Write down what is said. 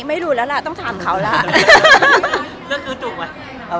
แล้วก็เขาเขาขอว่าเลือกเขาเป็นใคร